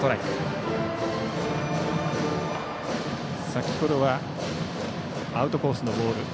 先ほどはアウトコースのボール